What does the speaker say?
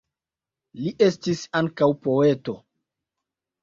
Li estis ankaŭ poeto.